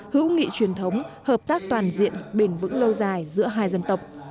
hữu nghị truyền thống hợp tác toàn diện bền vững lâu dài giữa hai dân tộc